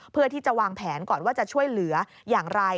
เพื่อที่จะวางแผนก่อนว่าจะช่วยเหลืออย่างไร